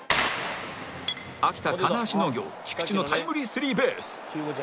秋田金足農業菊地のタイムリースリーベース